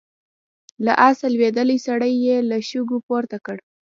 له آسه لوېدلی سړی يې له شګو پورته کړ.